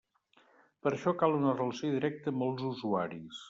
Per això cal una relació directa amb els usuaris.